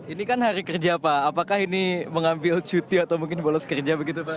ini kan hari kerja pak apakah ini mengambil cuti atau mungkin bolos kerja begitu pak